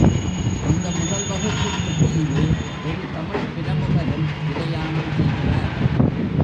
அந்த முதல் வகுப்புப் பெட்டியிலே ஒரு தமிழ்ப் பிரமுகரும் பிரயாணம் செய்கிறார்.